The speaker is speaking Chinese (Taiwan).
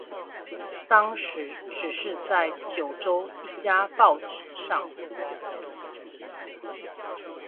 當時只是在九州一家報紙上